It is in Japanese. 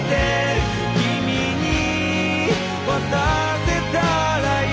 「君に渡せたらいい」